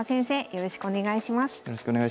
よろしくお願いします。